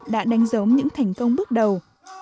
đã đánh giống những thành công bước đầu